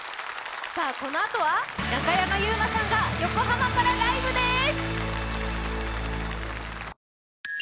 このあとは中山優馬さんが横浜からライブです。